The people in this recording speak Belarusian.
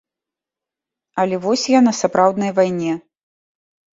Але вось я на сапраўднай вайне.